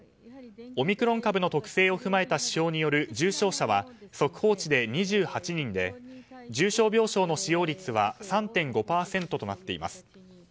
オミクロン株の特性を踏まえた指標による重症者は速報値で２８人で重症病床の使用率は３．５％となっています。